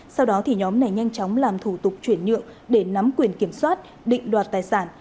sau đó nhóm này nhanh chóng làm thủ tục chuyển nhượng để nắm quyền kiểm soát định đoạt tài sản